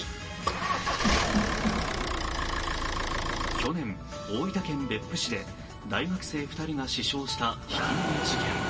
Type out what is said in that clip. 去年、大分県別府市で大学生２人が死傷したひき逃げ事件。